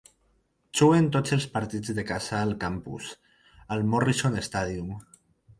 Juguen tots els partits de casa al campus, al Morrison Stadium.